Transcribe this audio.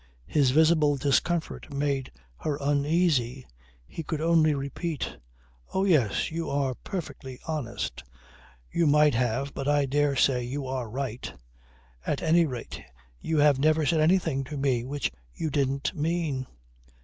His visible discomfort made her uneasy. He could only repeat "Oh yes. You are perfectly honest. You might have, but I dare say you are right. At any rate you have never said anything to me which you didn't mean."